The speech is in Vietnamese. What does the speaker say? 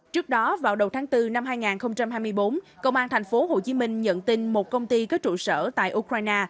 trước đó vào đầu tháng bốn năm hai nghìn hai mươi bốn công an thành phố hồ chí minh nhận tin một công ty có trụ sở tại ukraine